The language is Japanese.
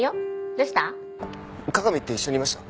加賀美って一緒にいました？